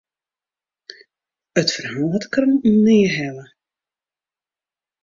It ferhaal hat de krante nea helle.